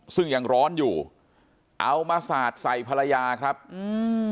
ซึ่งยังร้อนอยู่เอามาสาดใส่ภรรยาครับอืม